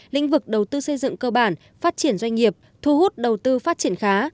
lĩnh vực đầu tư xây dựng cơ bản phát triển doanh nghiệp thu hút đầu tư phát triển khá